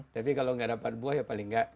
tapi kalau nggak dapat buah ya paling nggak